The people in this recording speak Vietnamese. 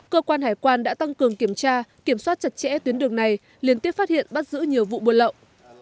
cơ quan hải quan đã tăng cường kiểm tra kiểm soát chặt chẽ tuyến đường này liên tiếp phát hiện bắt giữ nhiều vụ buôn lậu